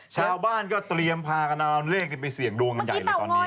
ชาวบ้านก็เตรียมพากันเอาเลขไปเสี่ยงดวงกันใหญ่เลยตอนนี้